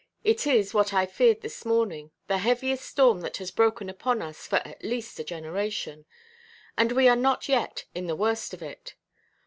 It is, what I feared this morning, the heaviest storm that has broken upon us for at least a generation. And we are not yet in the worst of it.